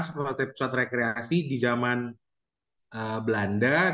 sebagai pusat rekreasi di zaman belanda